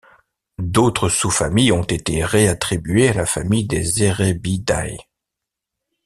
D'autres sous-familles ont été réattribuées à la famille des Erebidae.